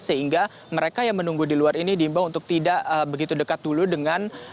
sehingga mereka yang menunggu di luar ini diimbau untuk tidak begitu dekat dulu dengan